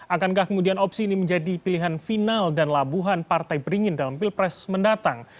akankah kemudian opsi ini menjadi pilihan final dan labuhan partai beringin dalam pilpres mendatang